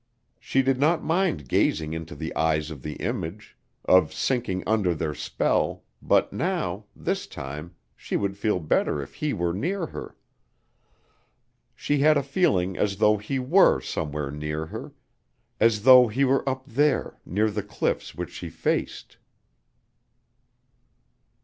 She did not mind gazing into the eyes of the image, of sinking under their spell, but now this time she would feel better if he were near her. She had a feeling as though he were somewhere near her as though he were up there near the cliffs which she faced.